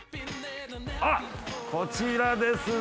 あっこちらですね。